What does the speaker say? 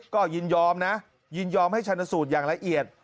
ก็ยินยอมนะยินยอมให้ชันสูตรอย่างละเอียด